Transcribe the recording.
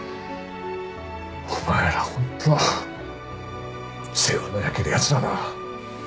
お前らホント世話の焼けるやつらだ。